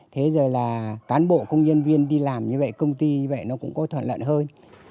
thế rồi là cán bộ công nhân viên đi làm như vậy công ty như vậy nó cũng có thuận lợi hơn